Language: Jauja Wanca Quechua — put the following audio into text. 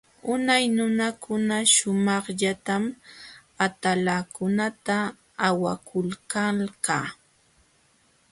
Unay nunakuna sumaqllatam atalankunata awakulkalqa.